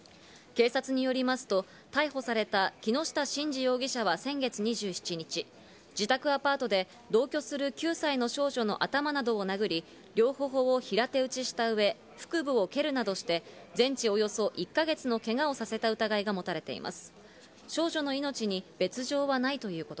警察によりますと、逮捕された木下真二容疑者は先月２７日、自宅アパートで同居する９歳の少女の頭などを殴り、両頬を平手打ちした上、腹部を蹴るなどして、全治およそ１か月のけがをさせた疑いが持たれています。